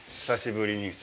久しぶりに。